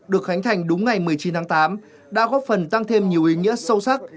được khánh thành đúng ngày một mươi chín tháng tám đã góp phần tăng thêm nhiều ý nghĩa sâu sắc